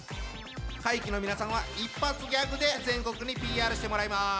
怪奇の皆さんは一発ギャグで全国にＰＲしてもらいます。